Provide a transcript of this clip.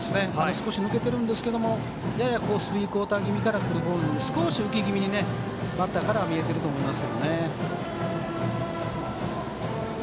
少し抜けているんですがややスリークオーター気味からくるボールで少し浮き気味にバッターからは見えていると思います。